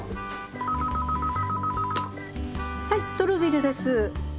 はいトルーヴィルです。